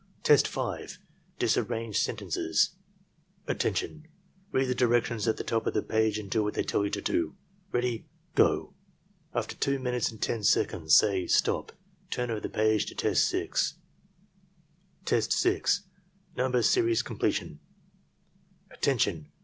Test 6. — ^Disarranged Sentences "Attention! Read the directions at the top of the page and do what they tell you to do. — Ready — Go!" After 2 minutes and 10 seconds, say "STOP! Turn over the page to test 6." Test 6. — Number Series Completion "Attention!